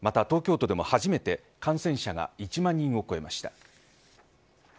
東京都でも初めて感染者が１万人を超えました。